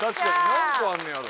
何個あんねやろ。